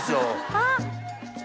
あっ。